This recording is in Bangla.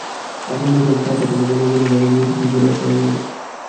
আকন্দ সাহেব কাঁপা-কাঁপা গলায় বললেন, আমার মেয়েটি কী করে আপনার ওখানে।